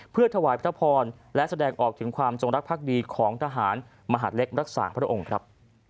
เพื่อถวายพระพรและแสดงออกถึงความจงรักภักดีของทหารมหาดเล็กรักษาพระองค์ครับ